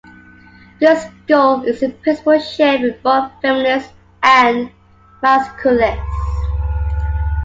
This goal is in principle shared with both feminists and masculists.